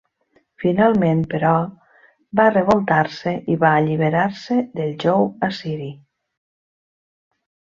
Finalment, però, va revoltar-se i va alliberar-se del jou assiri.